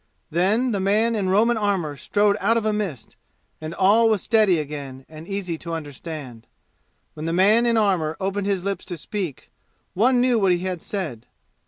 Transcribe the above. Then the man in Roman armor strode out of a mist, and all was steady again and easy to understand. When the man in armor opened his lips to speak, one knew what he had said.